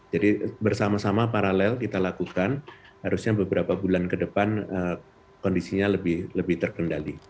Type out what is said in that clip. jadi bersama sama paralel kita lakukan harusnya beberapa bulan ke depan kondisinya lebih terkendali